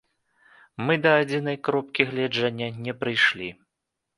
Мы да адзінай кропкі гледжання не прыйшлі.